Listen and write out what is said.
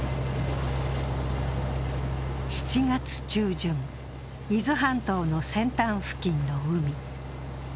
７月中旬、伊豆半島の先端付近の海。